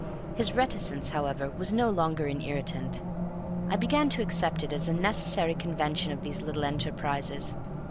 His reticence, however, was no longer an irritant. I began to accept it as a necessary convention of these little enterprises.